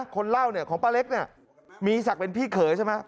คนเล่าเนี่ยของป้าเล็กเนี่ยมีศักดิ์เป็นพี่เขยใช่ไหม